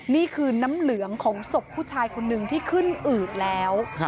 นี่คือน้ำเหลืองของศพผู้ชายคนนึงที่ขึ้นอืดแล้ว